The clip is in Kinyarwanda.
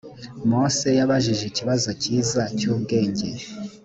mose yabajije ikibazo cyiza cy ubwenge